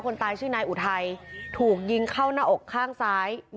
คนตายชื่อนายอุทัยถูกยิงเข้าหน้าอกข้างซ้าย